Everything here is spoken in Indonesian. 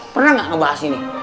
pernah nggak ngebahas ini